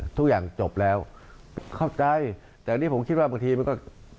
ทุกอย่างจบแล้วเข้าใจแต่อันนี้ผมคิดว่าบางทีมันก็